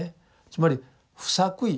つまり不作為。